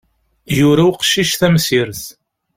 Yura uqcic tamsirt.